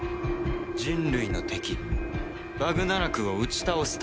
人類の敵バグナラクを打ち倒すためだ。